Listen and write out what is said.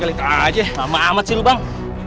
lama amat sih lu bang